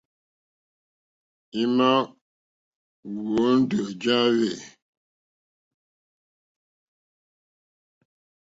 Í má ǃhwóndó ǃjá hwɛ̂.